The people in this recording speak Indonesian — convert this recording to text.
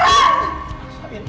lo jahatnya orang